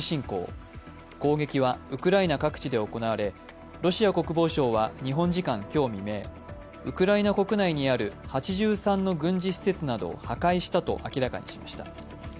攻撃はウクライナ各地で行われ、ロシア国防省は日本時間今日未明、ウクライナ国内にある８３の軍事施設などを破壊したと明らかにしました。